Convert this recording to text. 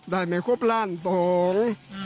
ได้ไม่คบร่านสงฆ์